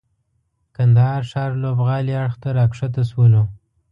کندهار ښار لوبغالي اړخ ته راکښته سولو.